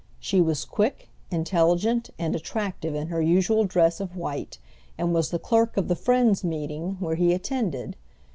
She was quick, intelligent, and attractive in her usual dress of white, and was the clerk of the Friends' meeting where he attended.